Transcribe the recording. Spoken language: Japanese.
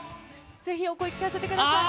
ぜひ、お声を聞かせてください。